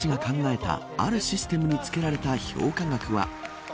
この学生たちが考えたあるシステムにつけられた評価額は。